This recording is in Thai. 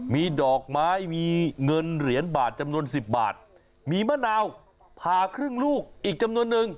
มีดอกไม้มีเงินเหรียญบาทจำนวนสิบบาทมีมะนาวผ่าครึ่งลูกอีกจำนวนนึง